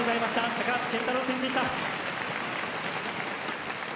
高橋健太郎でした。